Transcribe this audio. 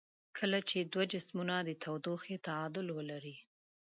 کله چې دوه جسمونه د تودوخې تعادل ولري.